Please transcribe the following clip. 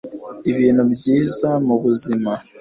ibintu byiza mubuzima